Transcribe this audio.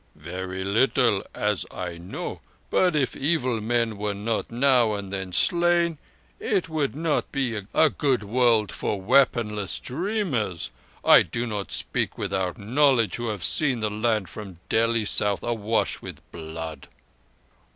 "Very little—as I know; but if evil men were not now and then slain it would not be a good world for weaponless dreamers. I do not speak without knowledge who have seen the land from Delhi south awash with blood."